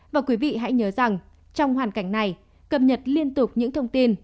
và quý vị hãy nhớ rằng trong hoàn cảnh này cập nhật liên tục những thông tin